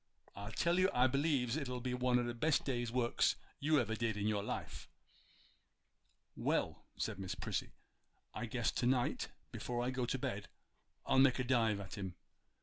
I tell you I b'lieves it'll be one o' the best day's works you ever did in your life.' 'Well,' said Miss Prissy, 'I guess to night before I go to bed I'll make a dive at him.